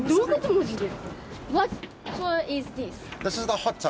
マジで。